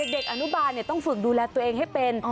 เด็กอนุบาลต้องฝึกดูแลตัวเองให้เป็น